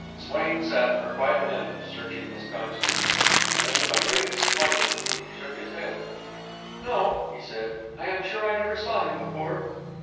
Swain sat for quite a minute searching his consciousness. Then, to my great disappointment, he shook his head. "No," he said; "I am sure I never saw him before."